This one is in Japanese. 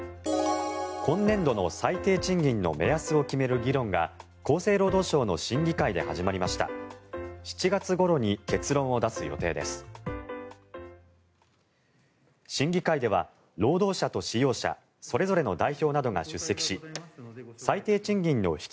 今年度の最低賃金の目安を決める議論が厚生労働省の審議会で始まりました。